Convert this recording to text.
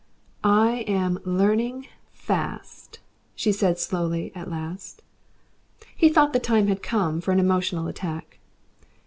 "I am learning fast," she said slowly, at last. He thought the time had come for an emotional attack.